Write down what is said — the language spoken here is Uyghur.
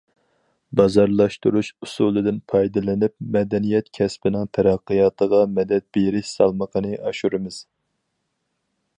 بازارلاشتۇرۇش ئۇسۇلىدىن پايدىلىنىپ، مەدەنىيەت كەسپىنىڭ تەرەققىياتىغا مەدەت بېرىش سالمىقىنى ئاشۇرىمىز.